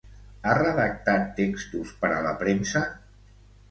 Ha redactat textos per a la premsa?